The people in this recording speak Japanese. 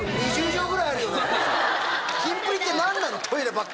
キンプリって何なの？